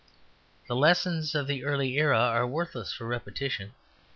The lessons of the early era are worthless for repetition.